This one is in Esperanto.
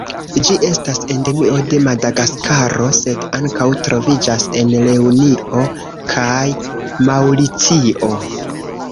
Ĝi estas endemio de Madagaskaro, sed ankaŭ troviĝas en Reunio kaj Maŭricio.